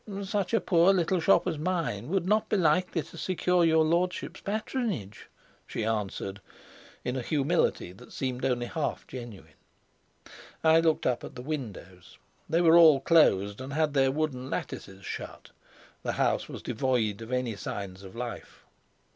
"Such a poor little shop as mine would not be likely to secure your lordship's patronage," she answered, in a humility that seemed only half genuine. I looked up at the windows. They were all closed and had their wooden lattices shut. The house was devoid of any signs of life.